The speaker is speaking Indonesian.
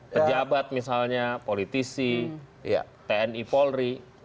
pejabat misalnya politisi tni polri